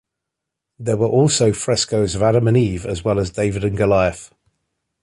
There were also frescoes of Adam and Eve as well as David and Goliath.